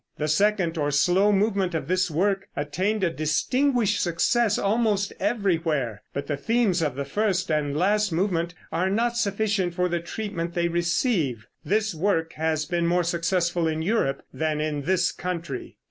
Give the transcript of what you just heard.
The second or slow movement of this work attained a distinguished success almost everywhere; but the themes of the first and last movement are not sufficient for the treatment they receive. This work has been more successful in Europe than in this country.